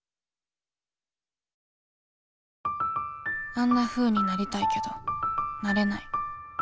あんなふうになりたいけどなれない